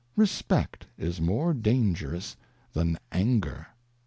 Respect is more dangei'ous than Anger.